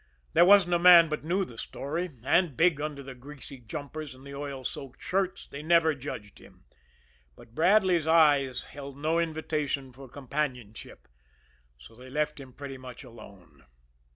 There wasn't a man but knew the story, and, big under the greasy jumpers and the oil soaked shirts, they never judged him; but Bradley's eyes held no invitation for companionship, so they left him pretty much alone.